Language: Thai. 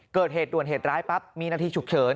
เกิดเหตุด่วนเหตุร้ายปั๊บมีนาทีฉุกเฉิน